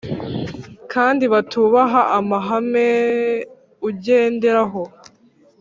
kandi batubaha amahame ugenderaho